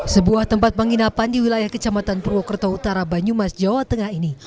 sebuah tempat penginapan di wilayah kecamatan purwokerto utara banyumas jawa tengah ini